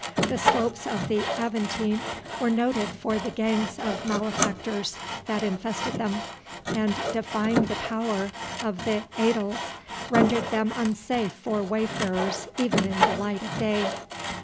The slopes of the Aventine were noted for the gangs of malefactors that infested them, and defying the power of the aediles, rendered them unsafe for wayfarers even in the light of day.